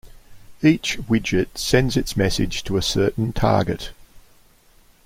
Each widget sends its message to a certain target.